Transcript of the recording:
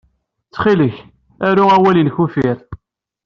Ttxil-k, aru awal-nnek uffir.